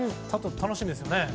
楽しみですね。